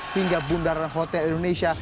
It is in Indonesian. hingga bundaran hotel indonesia